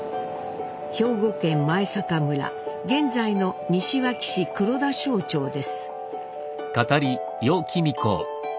兵庫県前坂村現在の西脇市黒田庄町です。